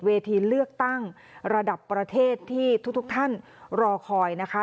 เวทีเลือกตั้งระดับประเทศที่ทุกท่านรอคอยนะคะ